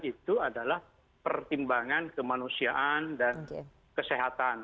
itu adalah pertimbangan kemanusiaan dan kesehatan